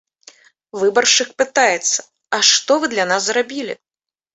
Выбаршчык пытаецца, а што вы для нас зрабілі?